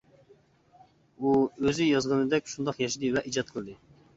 ئۇ ئۆزى يازغىنىدەك شۇنداق ياشىدى ۋە ئىجاد قىلدى.